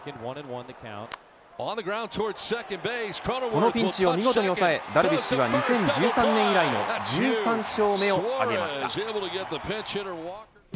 このピンチを見事に抑えダルビッシュは２０１３年以来の１３勝目を挙げました。